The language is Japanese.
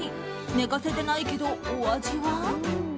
寝かせてないけど、お味は？